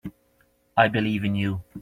I believe in you.